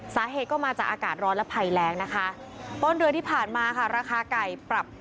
สาเหตุก็มาจากอากาศร้อนและภัยแรงนะคะต้นเดือนที่ผ่านมาค่ะราคาไก่ปรับ